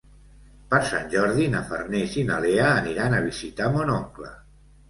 Per Sant Jordi na Farners i na Lea aniran a visitar mon oncle.